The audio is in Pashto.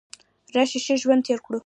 راشه ښه ژوند تیر کړو .